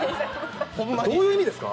どういう意味ですか？